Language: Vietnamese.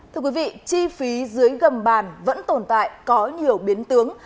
thưa quý vị chi phí dưới gầm bàn vẫn tồn tại có nhiều biến tướng